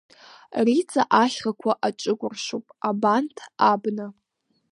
Риҵа ашьхақәа аҿыкәыршоуп, Абант абна.